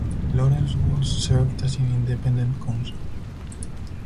Lawrence Walsh served as in independent counsel.